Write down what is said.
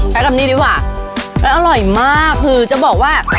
ใช้คำนี้ดีกว่าแล้วอร่อยมากคือจะบอกว่า